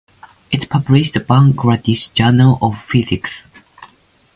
It publishes the Bangladesh Journal of Physics.